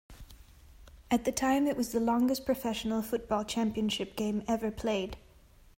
At the time it was the longest professional football championship game ever played.